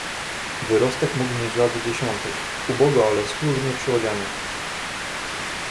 "Wyrostek mógł mieć lat dziesiątek, ubogo ale schludnie przyodziany."